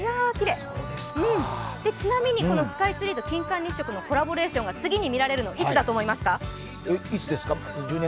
ちなみに、スカイツリーと金環日食のコラボレーションが次に見られるのはいつだと思いますか？